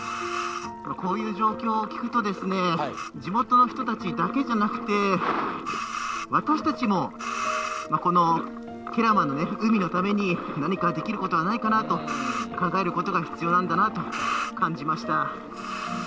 こういう状況を聞くと地元の人たちだけじゃなくて私たちもこの慶良間の海のために何かできることはないかなと考えることが必要なんだなと感じました。